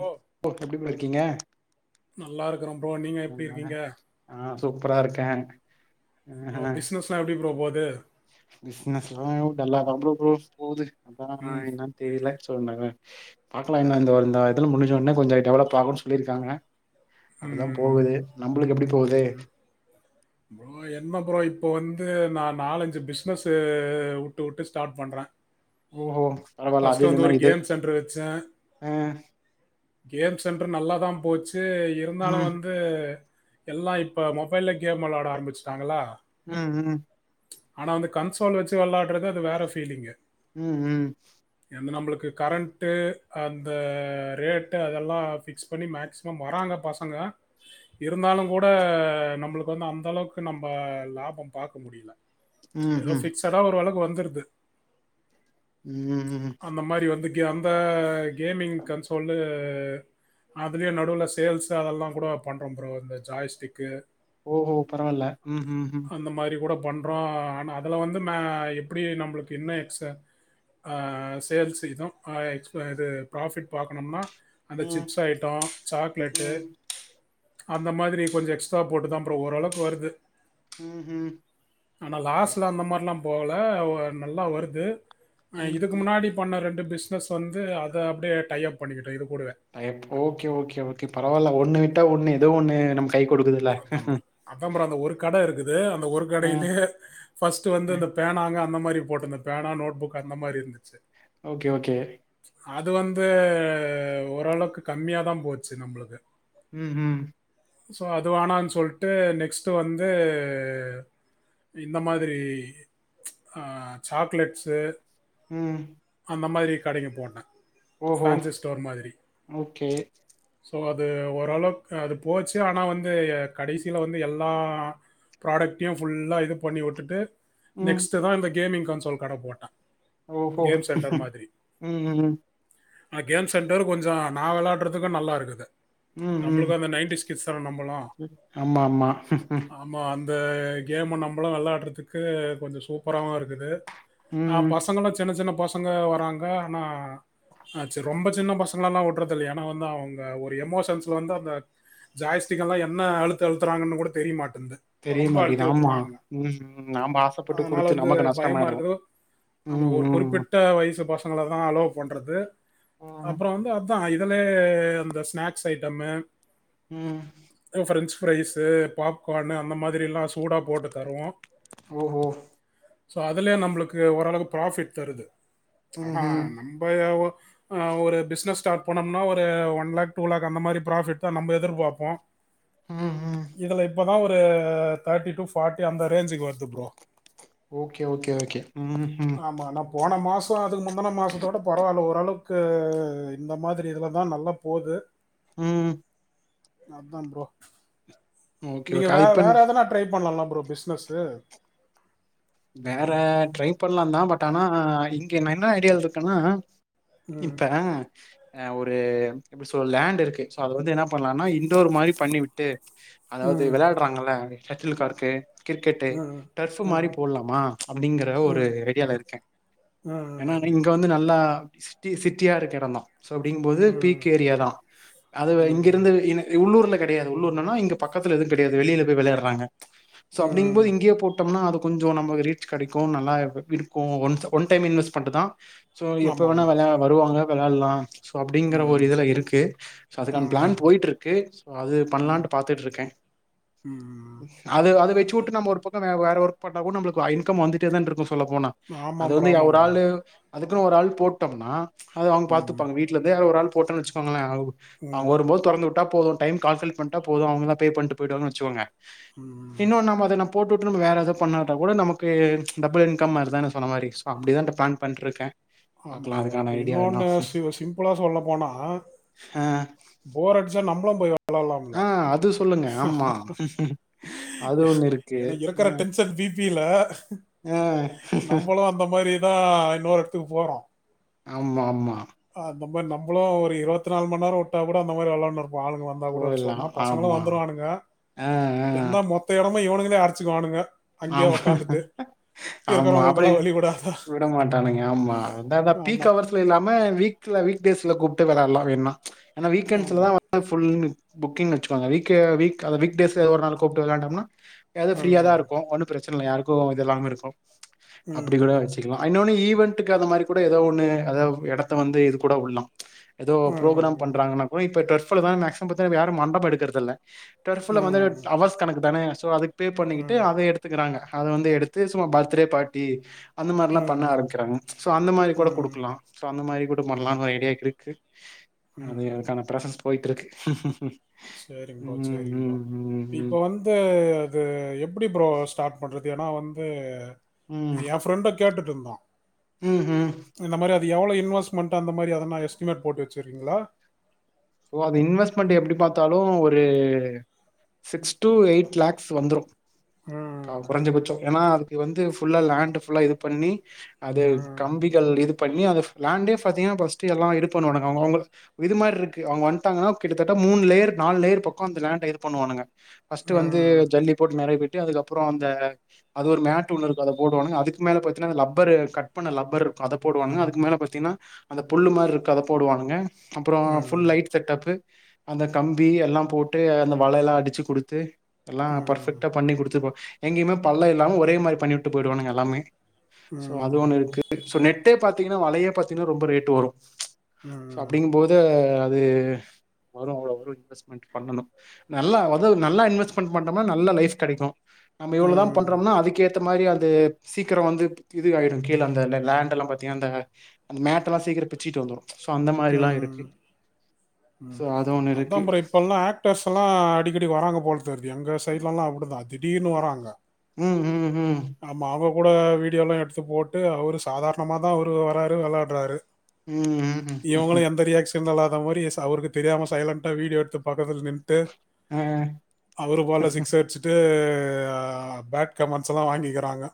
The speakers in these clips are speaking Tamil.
ப்ரோ ஓகே எப்டி ப்ரோ இருக்கீங்க நல்லா இருக்கிறோம் ப்ரோ நீங்க எப்படி ஆமாங்க இருக்கீங்க நா சூப்பரா இருக்கே ப்ரோ ஆஹ பிசினஸ்லா எப்டி ப்ரோ போது பிசினஸ்லா டல்லாதா ப்ரோ போவ் போவுது அதா நா ம் என்ன த்திரீ லாக் சொன்னாங்க பாக்கலா என்னா இந்த இதுல முடிஞ்ச ‌உடனே கொஞ்சொ டெவலப் ஆகூ சொல்லிருக்காங்க அப்டிதா போவுது நம்புளுக்கு எப்பிடி போவுது ப்ரோ என்ன ப்ரோ இப்ப வந்து நா நாலஞ்சு பிஸ்னஸ்ஸு உட்டு உட்டு ஸ்டாட் பண்றோ ஓ ஹோ பரவால்ல அதுல்லனா இது அ கேம்ஸ் செண்ட்ரு நல்லாதா போச்சு இருந்தாலூ ம் வந்து எல்லா இப்ப மொபைல்ல கேம் வெளாட ஆரம்பிச்சுட்டாங்களா ம் ம் ஆனா வந்து கன்சோல் வச்சு வெளாட்றது அது வேற ஃபீலிங்கு ம் ம் எந் நம்புளுக்கு கரண்ட்டு அந்த ரேட்டு அதெல்லா ஃபிக்ஸ் பண்ணி மேக்சிமம் வராங்க பசங்க இருந்தாலுங் கூட அ நம்புளுக்கு வந்து அந்தளவுக்கு நம்ப லாபோ பாக்க முடியில ம் ஏதோ ம் ஃபிக்சடா ஓரளவுக்கு வந்துருத்து ம் ம் அந்த மாரி வந்து கே அந்த கேமிங் கன்சோல்லு அதுலே நடுவல சேல்ஸ்ஸு அதெல்லாங் கூட பண்றோ ப்ரோ அந்த ஜாய்ஸ்டிக்கு ஓஹோ பரவால்ல ம் ம் ம் அந்த மாரி கூட பண்றோ ஆனா அதலா வந்து மே எப்பிடி நம்புளுக்கு என்ன எக்ஸ்ட்டா அ சேல்ஸ் இதூம் அ எக்ஸ் ப இத ப்ராஃபிட் பாக்கனும்னா அந்த ம் சிப்ஸ் ஐட்டோ சாக்லேட்டு அந்த மாதிரி கொஞ்சொ எக்ஸ்ட்ரா போட்டு தா ப்ரோ ஓரளவுக்கு வருது ம் ஹூம் ஆனா லாஸ்ல்ல அந்த மாரிலா போவ்ல வோ நல்லா வருது ம் ம் இதுக்கு முன்னாடி பண்ண ரெண்டு பிஸ்னஸ் வந்து அத அப்டியே டை யப் பண்ணிக்கிட்டது தா இது கூடவே tie up okay okay okay பரவால்ல ஒண்ணு விட்டா ஒண்ணு எதோ ஒண்ணு நம்க் கை கொடுக்குதுல்ல அதா ப்ரோ அந்த ஒரு கட இருக்குது அந்த ஒரு அ, கடைலே ஃபஸ்ட்டு வந்து அ. இந்த பேனாங்க அந்த மாரி போட்டுந்த பேனா நோட் புக் அந்த மாரி இருந்துச்சு ஓகே ஓகே அது வந்து ஓரளவுக்கு கம்மியா தா போச்சு நம்ளுக்கு ம் ம் சோ அது வேனா சொல்ட்டு நெக்ஸ்ட்டு வந்து இந்த மாதிரி ஆ சாக்லேட்ஸு ம் அந்த மாதிரி கடைக்கு போட்டே ஓஹோ! ஃபேன்சி ஸ்டோர் மாதிரி ஓகே. சோ அது ஓரளவுக்கு அது போச்சு ஆனா வந்து கடைசில வந்து எல்லா ப்ராடக்ட்டையு ஃபுல்லா இது பண்ணி விட்டுட்டு ம். நெக்ஸ்ட்டு தா இந்த கேமிங் கன்சோல் கட போட்டே ஓஹோ ம் ம் ஆ கேம் சென்டர் கொஞ்சொ நா வெளாடுறதுக்கு நல்லா இருக்குது ம், ம். நம்ப்ளுக்கு அந்த நை கிட்ஸ் தானே நம்பலா ஆமா ஆமா ஆமா அந்த கேமு நம்பளு வெளாட்றதுக்கு கொஞ்சொ சூப்பராவு இருக்குது ஆ ம். பசங்களு சின்ன சின்ன பசங்க வராங்க ஆனா அ செர் ரொம்ப சின்ன பசங்கள எல்லா வுட்றது இல்ல ஏன்னா வந்து அவுங்க ஒரு எமோஷன்ஸ்ல வந்து அந்த ஜாய்ஸ்டிக் எல்லா என்ன அழுத்து அழுத்துறாங்கன்னு கூட தெரியமாட்டெந்து தெரிய ரொம்ப அழுத்தி மாட்டேங்குது. ஆமா. வுட்டுறாங்க ம், ம். நாம ஆசைப்பட்டு அதுனால குடுத்து வந்து நமக்கு பயமா நஷ்டமாயிடும். இருக்குதோ ஆமா ம், ஒரு ம், குறிப்பிட்ட வயசு பசங்கள தா அலோ பண்றது ம், அப்பறொ வந்து தா இதுலே அந்த ஸ்நாக்ஸ் ஐட்டம்மு ம் அ ஃபிரெஞ்சு ஃப்ரைஸ்சு பாப்கானு அந்த மாதிரி எல்லா சூடா போட்டு தருவோ ஓஹோ சோ அதுலே நம்ப்ளுக்கு ஓரளவுக்கு பராஃபிட் தருது ம், ஆனா ம், நம் இப்ப ஏ ஒ ஒரு பிஸ்னஸ் ஸ்டார்ட் பண்ணனும்னா ஒரு ஒன் லேக் டூ லேக் அந்த மாரி பிராப்ஃபிட் நம்ம எதிர் பாப்போ ம், ம். இதுல இப்ப தா ஒரு தேர்ட்டி டூ ஃபாட்டி அந்த ரேஞ்சுக்கு வருது ப்ரோ ஓகே ஓகே ஓகே ம் ம் ஆமா நா போன மாசொ அதுக்கு முந்துன மாசத்தோட பரவால்ல ஓரளவுக்கு இந்த மாதிரி இதுல தா நல்லா போது ம் அதா ப்ரோ ஓகே, நீங்க ஓகே. வே இப்ப வேற எதனா ட்ரை பண்லால ப்ரோ பிஸ்னஸ்ஸு வேற ட்ரை பண்லா தா பட் ஆனா இங்க நா என்ன ஐடியால இருக்கன்னா ம் இப்ப அ ஒரு எப்டி சொல்ற லேண்ட் இருக்கு சோ அத வந்து என்ன பண்லானா இன்டோர் மாரி பண்ணி விட்டு அதாவது ம் வெளயாட்றாங்கல்ல சட்டில்கார்க்கு கிரிக்கெட்டு் ம் டர்ப்பு மாரி ம் போட்லாம அப்டிங்கிற ஒரு ம் ஐடியால இருக்கே ஏன்னா நீங் இங்க வந்து நல்லா சிட்டி சிட்டியா இருக்க எடந்தா சோ அப்டிங் போது ம் ம் பீக் ஏரியா தா அது ம் இங்கிருந்து இனக் உள்ளூர்ல கெடையாது உள்ளூர்லனா இங்க பக்கத்துல எதுவு கெடையாது வெளில போய் வெளயாட்றாங்க சோ அப்டிங் போது ம் இங்கே போட் பட்டோம்னா அது கொஞ்ச நமக்கு டம்னா அது கொஞ்சோ நமக்கு ரீச் கெடைக்கு நல்லா இருக்கு ஒன்ஸ் ஒன் டைம் இன்வெஸ்மண்டு தா சோ எப்ப ஆமாம் வேணா வெளயா வருவாங்க வெளாட்லா சோ அப்டிங்கிற ஒரு ஆமாம் இதுல இருக்கு சோ அதுக்கான ம் ம் பிளான் போயிட்டு இருக்கு சோ அது ம் பண்ணலான்ட்டு பாத்துட்டு இருக்கே ம் அது அத வெச்சூட்டு நம்ம ஒரு பக்கோ வே வேற ஒர்க் பண்ணா கூட நம்மளுக்கு இன்கம் வந்துட்டே தான் இருக்கு சொல்ல போனா அது ஆமாம் ப்ரோ வந்து எ ஆமாம் ப்ரோ ஒர்றாளு அதுக்குன்னு ஒரு ஆள் போட்டோம்னா அது அவங் ம் பாத்துப்பாங்க வீட்டுல இந்தே யாரோ ஒர் ஆள் போட்டோன் வச்சுக்கோங்களே அவங்க ம் வரும்போது தொறந்து உட்டா போது டைம் கால்குலேட் பண்ட்டா போது அவங்கலா பே பண்ட்டு போய்டுவாங்ன் வச்சுக்கோங்க ம் இன்னு நம்ம அத நா போட்டு உற்று நம்ம வேற எத பண்ணாட்ட கூட நமக்கு டபுள் இன்கம் மார் தான சொன்ன மாரி சோ அப்படிதா இந்த பிளான் பண்டுருக்கே ஆமா ப்ரோ இப்ப இன்னொன்னு சி சிம்பிளா சொல்ல போனா ஆ போர் அட்ச்சா நம்பளு போய் வளலாம்ள ஆ அது சொல்லுங்க ஆமா அது ஒண்ணு இருக்கு எனக்கு இருக்குற ம் டென்ஷன் பீ ப்பீல ஆ நம்பளு அந்த மாரி தா இன்னொர் எடத்துக் போறோ ஆமா ஆமா அந்த மாரி நம்பளு ஒரு இருவத்நால் மண் நேரோ உட்டா கூட அந்த மாரி விளான்னு இருக்போ ஆளுங்க வந் தா கூட போயிட்லா சொன்னா பசங்களு ஆமா வந்துருவானுங்க ஆ ஆ என்ன மொத்த எடமு இவனுங்களே அரிசிச்சுக்குவானுங்க அரிச்சுக்குவானுங்க அங்கேயே ஆமா உக்காந்துட்டு ஆமா அப்படியு இருக்கிறவங்களுக்கெல்லாம் வழி விடாத விட மாட்டானுங்க ஆமா அந்தா பீ ஆமா கவர் வீட்ல இல்லாம வீக்ல வீக்டேஸ்ல கூப்டு விளால்லா வேன்னா வீக்கெண்ட்ஸ்ல ஆமா தா ஃபுல் புக்கிங் வச்சுகோங்க வீக்க வீக் வீக் டேஸ் எத ஒரு நாள் கூப்ட்டு விளாண்டம்னா எது ஃப்ரீயா தா இருக்கு ஒன்னு பிரச்சன இல்ல யாருக்கு எது இல்லாமே இருக்கு ம் அப்படி கூட ம் வச்சு க்கலா இன்னொன்னு ஈவென்டுக்கு அந்த மாரி கூட எதோ ஒண்ணு அதாவ் எடத்த வந்து இது கூட உல்லா எதோ ம் ப்ரோக்ராம் ம் பண்றாங்கன்னா கூட இப்ப ட்ரெஃபுலதா மேக்சிமம் பாத்தா இப்ப யாரு மண்டப எடுக்கற்து இல்ல ட்டெஃப்புல வந்து ம் அவர்ஸ் கணக்கு தானே சோ அதுக் பே பண்ணிகிட்டு அத எடுத் துக்கறாங்க அத வந்து எடுத்து சும்மா பர்த்டே பார்ட்டி அந்த ம் மாரிலா பண்ண ம் ஆரம்பிக்கிறாங் ஸோ அந்த மாரி கூட குடுக்கலா சோ அந்த மாரி கூட ம் பண்லான் ஒரு ஐடியா இருக்கு அது ம் எனக்கான பிராசஸ் போயிட்ருக் சேரிங் ப்ரோ சேரிங் ப்ரோ ம் இப்ப வந்து அது எப்படி ப்ரோ ஸ்டார்ட் பண்றது ஏன்னா வந்து ம் எ ஃப்ரெண்ட கேட்டுட்ருந்தோ ம் ம் இந்த மாரி அது எவ்ளோ இன்வஸ்ட்மண்ட் அந்த மாரி எதனா எஸ்டிமேட் போட் வச்சிருக்கீங்களா ஸோ அது இன்வெஸ்ட்மெண்ட் எப்படி பாத்தாலு ஒரு சிக்ஸ் டு எயிட் லேக்ஸ் வந்துரு அ ம் கொறஞ்ச பட்சோ ஏன்னா அதுக்கு வந்து ஃபுல்லா லேண்ட்டு ஃபுல்லா இது பண்ணி அது ம் கம்பிகள் இதுக் பண்ணி அதஃப் லேண்டே ஃபாத்தீங்கனா பஸ்ட்டு எல்லா இது பண்ணுவானுங்கோ அவங்க அவங்க இது மார் இருக் கு அவங்க வந்ட்டாங்கன்னா கிட்டத்தட்ட மூன் லேயர் நால்லேயர் பக்கோ அந்த லேண்ட இது பண்ணுவானுங்க பஸ்ட்டு வந்து ம் ஜல்லி போட் நெறைய கட்டி அதுக்கப்புறோ அந்த அது ஒரு மேட்டு ஒன்னு இருக்கு அத போடுவானுங்க அதுக்கு மேல பாத்தீன்னா அது லப்பரு கட் பண்ண லப்பர் இருக்கு அத போடுவாங்க அதுக்கு மேல பாத்தீன்னா அந்த புல்லு மார்ருக்க அத போடுவானுங்க அப்புறோ ம் செட்டப்பு அந்த கம்பி எல்லாம் போட்டு அந்த வள எல்லா அடிச்சு குடுத்து எல்லா ம் பர்ஃபெக்டா பண்ணி குடுத்து போ எங்கிம்மே பல்ல இல்லாம் ஒரே மாரி பண்ணி உட்டு போயிடுவானுங்க எல்லாமே சோ அது ம் ஒன்னு இருக்கு சோ நெட்டே பாத்தீங்கன்னா வலையே பாத்தீங்கன்னா ரொம்ப ரேட்டு வரு சோ ம் அப்டிங்ம் போது அது வரு இன்வெஸ்ட் மென்ட் பண்ணனு நல்லா அத நல்லா இன்வெஸ்ட்மெண்ட் பண்டோம்னா நல்ல லைஃப் கெடைக்கு நம்ம இவ்ளோதா பண்றோம்னா அதுக்கேத் த மாரி அது சீக்கிறோ வந்து இது ஆயிடு கீழ அந்த லேண்ட் எல்லா பாத்தீனா அந்த அந்த மேட்டுலா சீக்கிரம் பிச்சிட்டு வந்துரும் சோ அந்த ம் மாரில்லாம் இருக்கு ம் சோ ம் அது ஒண்ணு இருக்கு அதான் ப்ரோ இப்பெல்லாம் ஆக் டர்ஸ் எல்லா அடிக்கடி வராங்க போல தெருது எங்க சைட் எல்லா அப்டிதா திடீர்னு வராங்க ம் ம் ம் ஆமா அவுங்க கூட வீடியோலா எடுத்து போட்டு அவரு சாதாரணமாதா அவரு வறாரு வெளயாட்றாரு ம் ம் ம் ம் இவங்களும் எந்த ரியாக்க்ஷன் இல்லாத மாரி ச அவருக்கு தெரியாம சைலண்ட்டா வீடியோ எடுத்து பக்கத்துல நின்ட்டு ஆ அவரே பால்ல சிக்ஸ் அடிச்சிட்டு ஆ பேட் கமன்ஸ்ல்லா வாங்கிக்கிறாங்க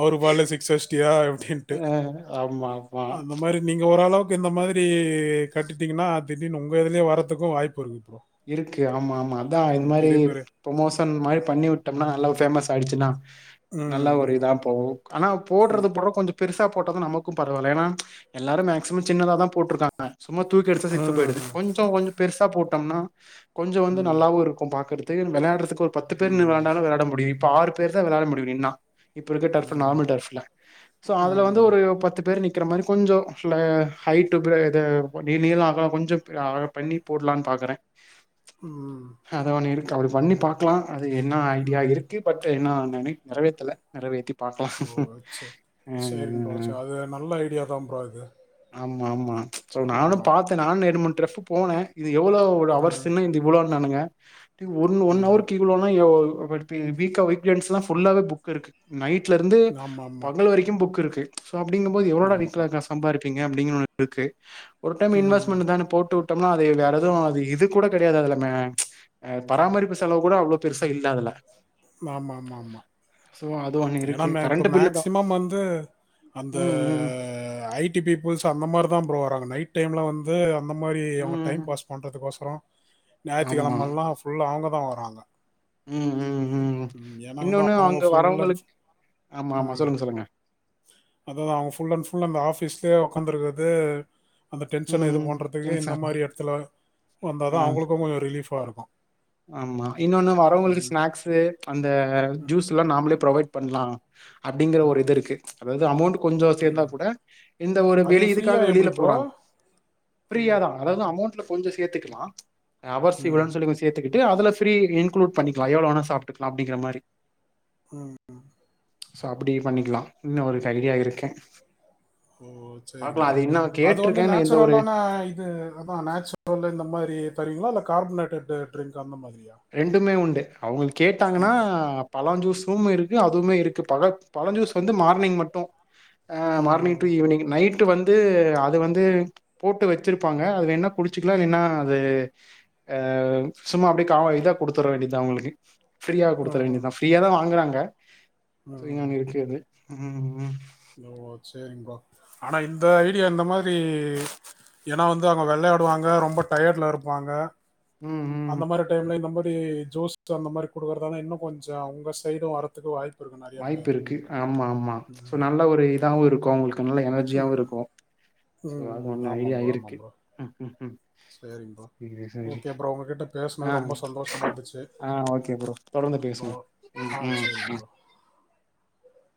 அவரு பாலே சிகஸ் அஸ்டியா அப்டின்ட்டு ஆ. ஆமா ஆமா அந்த மாரி நீங்க ஓரளவுக்கு இந்த மாதிரி கட்டுட்டீங்கன்னா திடீர்னு உங்க இதுலயே வரதுக்கும் வாய்ப்பு இருக்கு ப்ரோ இருக்கு ஆமா ஆமா அதா இந்த ம் மாரி பெரிய பெரிய புரோமோசன் மாரி பண்ணி விட்டோம்னா நல்லா பேமஸ் ஆயிடுச்சின்னா நல்லா ஒரு ம் இதா போவும் ஆனா போடறது போடறோ கொஞ்சம் பெருசா போட்டாதா நமக்கும் பரவாயில்ல ஏனா எல்லாரும் மேக்ஸிமம் சின்னதா தா போட்டுருக்காங் ஆ சும்மா தூக்கி அடிச்சா சிக்ஸு போயிடுது ம் கொஞ்சம் கொஞ்சம் பெருசா போட்டம்னா கொஞ்சம் வந்து ம் நல்லாவும் இருக்கும் பாக்கறதுக்கு வெளையாடறதுக்கு ஒரு பத்து பேர் நின்னு ம் வெளாண்டாலும் வெளாட முடியும் இப்ப ஆறு பேர் தா வெளாட முடியும் நின்னா இப்ப இருக்க டஃபு நார்மல் டஃப் இல்ல சோ அதுல வந்து ம் ஒரு பத்து பேர் நிக் கிற மாரி கொஞ்சம் லை ஹைட்டு் ஃபுல இது நீ நீளம் அகலம் கொஞ்சம் அகல பண்ணி போடலான் பாக்கறன் ம் அது ஒண்ணு இருக்கு அப்டி பண்ணி பாக்கலா அது என்ன ஐடியா இருக் கு பட்டு இன்னும் நெனக் நெறவேத்தல நெறவேத்தி பாக்கலாம் ஓ சரி ம் சரிங்க ம் ப்ரோ ம் சரி அது நல்ல ஐடியா தான் ப்ரோ இது ஆமா ஆமா சோ நானும் ஆமா பாத்தன் நானும் ரண்டு மூணு டிரஃபு போன இது எவ்ளோ ஒரு ஹவர்ஸ் ம் சின்ன இந்தி இவ்ளோன்னானுங்க டி ஒரு ஒன் ம் ஹவருக்கு இவ்ளோனா எவ் வர்ப்பி வீக்கா வீக்கெண்ட்ஸ்லா ஃபுல்லாவே புக் இருக்கு நைட்ல இருந்து ஆமா ஆமா பகல் வரைக்கும் புக் இருக்கு சோ அப்டிங்கபோது எவ்ளோடா ஆமா வீட்ல காஸ் சம்பாரிக்கிறீங்க அப்டின்னு ஒன்னு இருக்கு ஒரு டைம் ம் இன்வெஸ்ட்மென்ட்டு தான போட்டு உட்டம்னா அது வேற எதுவும் அது இது கூட கெடையாது அதுல மே பராமரிப்பு செலவு கூட அவ்ளோ பெருசா இல்ல அதுல ஆமா ஆமா ஆமா சோ அது ஒண்ணு ஏனா இருக்கு ம இப்ப கரண்ட் பில்லு தா மேக்சிமம் வந்து அந்த ம் ம் ஐ டி பீப்புல்ஸ் அந்த மாரி தா ப்ரோ வராங்க நைட் டைம்ல வந்து அந்த மாரி அவுங்க ம் டைம் பாஸ் பண்றதுக்கொசரம் ஆமா ஞாயித்துக்கெழமல்லாம் ஃபுல்லா அவுங்க தா வராங்க ம் ம் ம் ஏன்னா வந்து இன்னொன்னு அவங்க அங்க ஃபுல் அண்ட் வரவங்களுக் ஆமா ஆமா சொல்லுங்க சொல்லுங்க அததா அவுங்க ஃபுல் அண்ட் ஃபுல் அந்த ஆஃபீஸ்லே உக்காந்துருக்கிறது அந்த டென்ஷன ம் இது ம் பண்றதுக்கு இல்லைங்க இந்த சார் மாரி எடத்துல ஆ வந்தாதா அவுங்களுக்கும் கொஞ்சம் ரிலீஃபா இருக்கும் ஆமா இன்னொன்னு வரவங்களுக்கு ஸ்நாக்ஸு அந்த ஜூஸ்லா நாமளே ப்ரொவைட் பண்ணலாம் அப்டிங்கிற ஒரு இது ம் இருக்கு அதாவது அமௌண்ட் கொஞ்சம் சேந்தா கூட இந்த ஒரு அது வெளி இதுக்காக ஃப்ரீயாக எப்படி வெளியில ப்ரோ போறாங்க ஃபிரியாதா அதாவது அமௌண்ட்ல கொஞ்சம் சேத்துக்கிலா அவர்ஸ் ம் இவ்ளோன் சொல்லி சேத்துக்கிட்டு அதுல ஃபிரி இன்குளூட் பண்ணிக்கிலா எவ்ளோ வேணா சாப்ட்டுக்கலாம் அப்டிங்கிற மாரி ம் ம் சோ அப்டி பண்ணிக்கலா இன்னும் ஒரு ஐடியா இருக் கு ஓ சேரிங் பாக்கலாம். ப்ரோ அது இன்னும் அது வந்து கேட்டிருக்கேன். நான், எந்த ஒரு நேச்சுரலான இது அதா நேச்சுரல்ல இந்த மாரி தரிங்களா இல்ல கார்பனேட்டட் டி டிரிங்க் அந்த மாதிரியா ரெண்டுமே உண்டு அவுங்களுக் கேட்டாங்கன்னா ம் பழஞ் ஜூஸும் இருக்கு அதுவுமே இருக்கு பழ பழஞ் ஜூஸ் வந்து மார்னிங் மட்டும் ஆ மார்னிங் டு ம் ஈவினிங் நைட்டு வந்து அது வந்து போட்டு வச்சிருப்பாங்க அது வேனா குடிச்சுக்லா இல்லின்னா அது அ சும்மா அப்டே தா இதா குடுத்துர வேண்டிதா அவங்களுக்கு ப்ரீயா குடுத்துற ம் வேண்டிதா ஃப்ரீயா தா வாங்குறாங்க ஃப்ரீயா ம் ஒன் இருக்கு அது ம் ம் ஓ செரிங்ப்பா ஆனா இந்த ஐடியா இந்த மாரி ஏனா வந்து அவங்க வெளாடுவாங்க ரொம்ப டயர்ட்ல இருப்பாங்க ம் ம் அந்த மாரி டைம்ல இந்த மாரி ஜோஸ்ட் அந்த மாரி குடுக்கறதானே இன்னு கொஞ்சோ உங்க சைடு வரத்துக்கு வாய்ப் வாய்ப்பு இருக்கு ஆமா ஆமா சோ நல்ல ஒரு இதாவு இருக்கு உங்ளுக்கு நல்ல எனர்ஜியாவு ம் இருக்கு ம் ஆமா ப்ரோ ஆமா ப்ரோ ம். ம். ம். சேரி ப்ரோ சரி, சரி. ஓகே ப்ரோ உங்ககிட்ட ஆ பேசினது ரொம்ப சந்தோஷமா இருந்துச்சு ஆ ஓகே ப்ரோ தொடர்ந்து ஓகே ப்ரோ பேசுவோ ம் ஆ ம் சரிங்க ம் ப்ரோ